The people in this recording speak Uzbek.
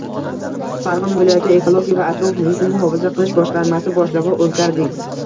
Farg‘ona viloyat Ekologiya va atrof-muhitni muhofaza qilish boshqarmasi boshlig‘i o‘zgarding